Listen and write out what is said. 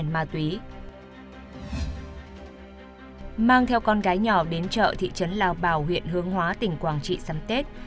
mang theo con gái nhỏ đến chợ thị trấn lao bào huyện hương hóa tỉnh quảng trị sắp tết